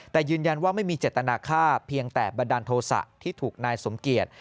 แต่ยืนยันว่าไม่มีเจตนาค่าเพียงแต่บันดาลโทษะที่ถูกนายสมเกียจ